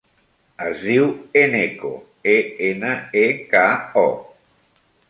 Es diu Eneko: e, ena, e, ca, o.